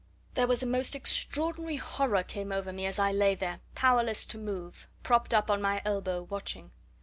There was a most extraordinary horror came over me as I lay there, powerless to move, propped up on my elbow, watching.